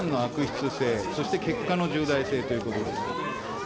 手段の悪質性、そして結果の重大性ということです。